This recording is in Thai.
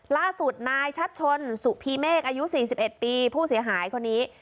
ล่าสุดนายชัดชนสุพีเมฆอายุ๔๑ปีผู้เสียหายคนนี้